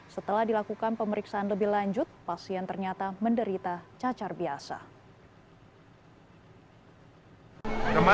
setelah dilakukan pemeriksaan lebih lanjut pasien ternyata menderita cacar biasa